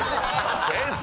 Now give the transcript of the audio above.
先生！